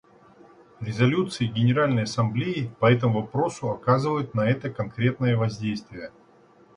Резолюции Генеральной Ассамблеи по этому вопросу оказывают на это конкретное воздействие.